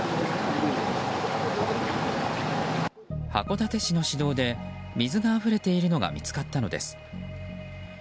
函館市の市道で水があふれているのが見つかったのです。